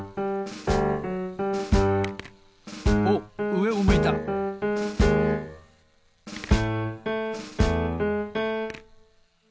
おっうえを向いたお！